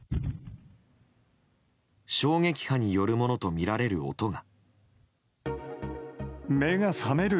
衝撃波によるものとみられる音が。